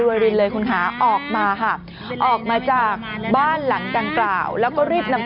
รินเลยคุณคะออกมาค่ะออกมาจากบ้านหลังดังกล่าวแล้วก็รีบนำ